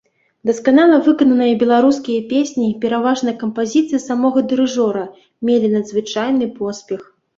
Дасканала выкананыя беларускія песні, пераважна кампазіцыі самога дырыжора, мелі надзвычайны поспех.